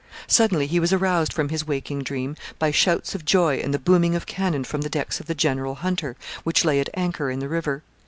Suddenly he was aroused from his waking dream by shouts of joy and the booming of cannon from the decks of the General Hunter, which lay at anchor in the river.